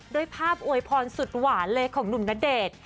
ด้วยภาพอวยพรสุดหวานเลยของหนุ่มณเดชน์